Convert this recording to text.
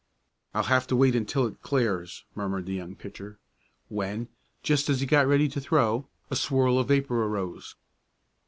"I'll have to wait until it clears," murmured the young pitcher, when, just as he got ready to throw, a swirl of vapor arose.